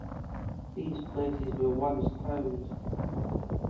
These places were once towns.